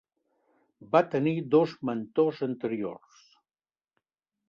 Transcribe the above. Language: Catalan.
Va tenir dos mentors anteriors.